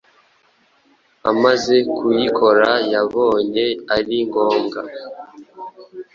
Amaze kuyikora yabonye ari ngombwa